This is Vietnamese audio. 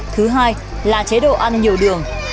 thứ hai là chế độ ăn nhiều đường